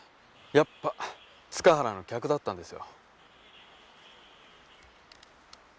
やっぱ塚原の客だったんですよ。